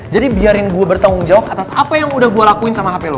jadi biarin gue bertanggung jawab atas apa yang udah gue lakuin sama hp lo